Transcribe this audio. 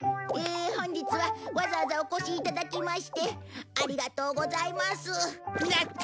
え本日はわざわざお越しいただきましてありがとうございます。